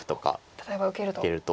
例えば受けると。